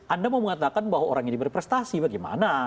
anda mau mengatakan bahwa orang ini berprestasi bagaimana